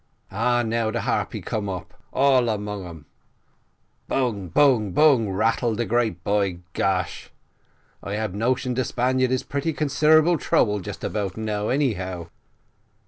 Ah, now de Harpy cum up. All 'mung 'em. Bung, bung, bung rattle de grape, by gosh. I ab notion de Spaniard is very pretty considerable trouble just now, anyhow.